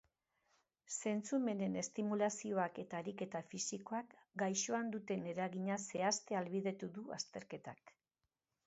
Zentzumenen estimulazioak eta ariketa fisikoak gaixoan duten eragina zehaztea ahalbidetu du azterketak.